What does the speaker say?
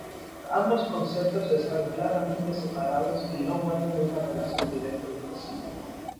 Ambos conceptos están claramente separados y no guardan una relación directa entre sí.